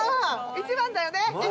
１番だよね？